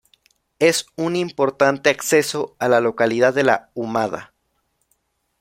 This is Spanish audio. Es un importante acceso a la localidad de La Humada.